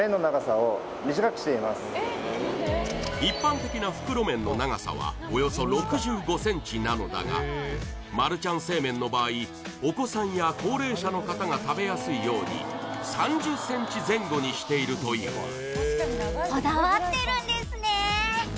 一般的な袋麺の長さはおよそ６５ｃｍなのだがマルちゃん正麺の場合お子さんや高齢者の方が食べやすいように３０ｃｍ前後にしているという「こだわってるんですね」